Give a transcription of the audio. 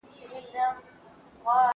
غلبېل کوزې ته وايي، سورۍ.